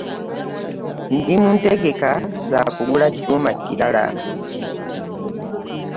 Ndi muntegeka za kugula kyuuma kirala .